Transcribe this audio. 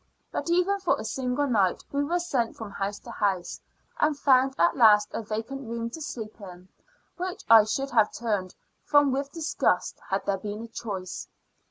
But even for a single night we were sent from house to house, and found at last a vacant room to sleep in, which I should have turned from with disgust had there been a choice.